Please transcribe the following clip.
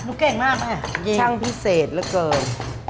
เก่งมากแม่ช่างพิเศษเหลือเกิน